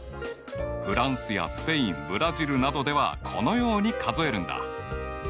フランスやスペインブラジルなどではこのように数えるんだ。